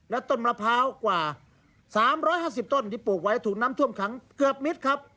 และต้นมะพร้าวกว่า๓๕๐ต้นที่ปลูกไว้ถูกน้ำท่วมขังเกือบมิตรครับ